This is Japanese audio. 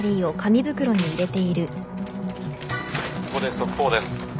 ここで速報です。